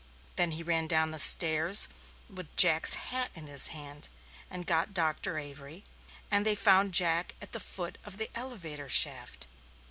Then he ran down the stairs with Jack's hat in his hand, and got Dr. Avery, and they found Jack at the foot of the elevator shaft.